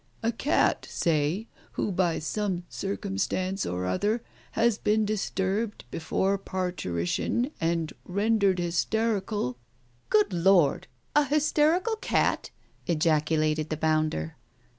A cat, say, who by some circumstance or other has been dis turbed before parturition and rendered hysterical " "Good Lord, a hysterical cat " ejaculated the bounder.